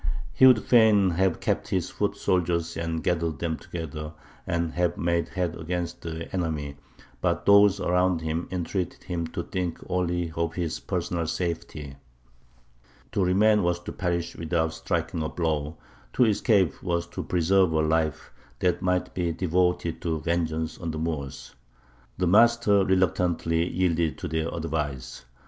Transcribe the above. "He would fain have kept his foot soldiers and gathered them together, and have made head against the enemy; but those around him entreated him to think only of his personal safety. To remain was to perish without striking a blow; to escape was to preserve a life that might be devoted to vengeance on the Moors. The Master reluctantly yielded to their advice.